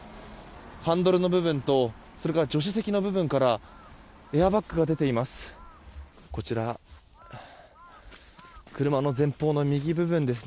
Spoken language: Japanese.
ハンドルの部分とそれから助手席の部分からエアバッグが出ています。